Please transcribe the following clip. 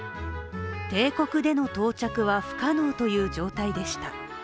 定刻での到着は不可能という状態でした。